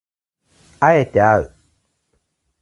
敢えてあう